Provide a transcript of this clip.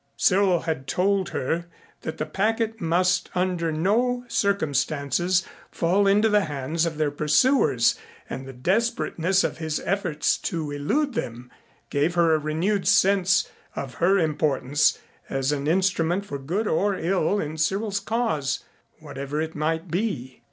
Cyril had told her that the packet must under no circumstances fall into the hands of their pursuers and the desperateness of his efforts to elude them gave her a renewed sense of her importance as an instrument for good or ill in Cyril's cause whatever it might be.